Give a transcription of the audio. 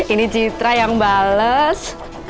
ini citra yang bales